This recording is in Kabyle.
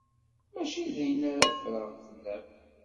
Mačči d ayen ara ffreɣ fell-am.